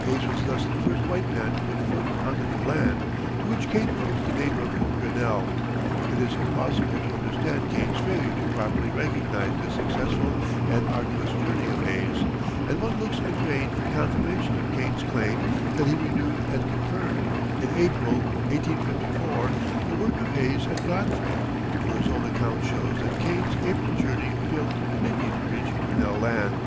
Hayes was thus the first white man to put foot on the new land, to which Kane affixed the name of Grinnell. It is impossible to understand Kane's failure to properly recognize this successful and arduous journey of Hayes, and one looks in vain for confirmation of Kane's claim that he "renewed and confirmed," in April, 1854, the work of Hayes and Godfrey, for his own account shows that Kane's April journey failed completely to reach Grinnell Land.